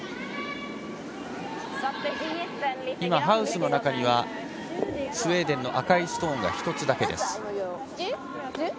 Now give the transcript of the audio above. ハウスの中にはスウェーデンの赤いストーンが１つだけです。